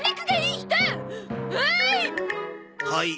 はい。